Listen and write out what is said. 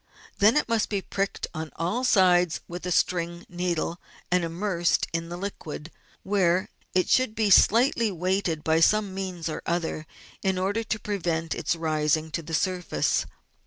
Then it must be pricked on all sides with a string needle, and immersed in the liquid, where it should be slightly weighted by some means or other in order to prevent its rising to the surface.